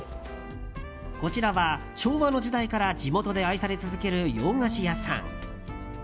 こちらは昭和の時代から地元で愛され続ける洋菓子屋さん。